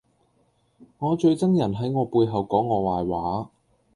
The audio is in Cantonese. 我最憎人喺我背後講我壞話